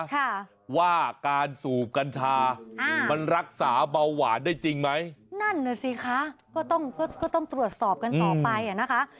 ค่ะว่าการสูบกัญชาอืมมันรักษาเบาหวานได้จริงไหมนั่นน่ะสิคะก็ต้องก็ก็ต้องตรวจสอบกันต่อไปอ่ะนะคะ